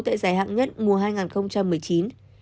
tại giải hạng nhất mùa hai nghìn một mươi chín